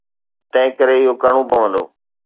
تنهنڪري اهو ڪرڻو پوندو.